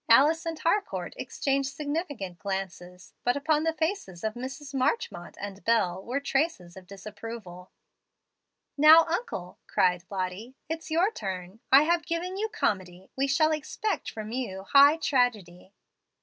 Alice and Harcourt exchanged significant glances, but upon the faces of Mrs. Marchmont and Bel were traces of disapproval. "Now, uncle," cried Lottie, "it's your turn. I have given you COMEDY; we shall expect from you high tragedy."